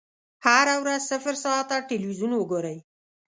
هره ورځ صفر ساعته ټلویزیون وګورئ.